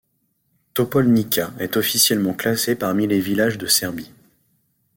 Topolnica est officiellement classée parmi les villages de Serbie.